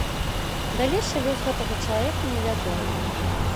Далейшы лёс гэтага чалавека не вядомы.